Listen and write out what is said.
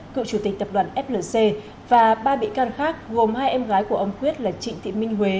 cựu chủ tịch tập đoàn flc và ba bị can khác gồm hai em gái của ông quyết là trịnh thị minh huế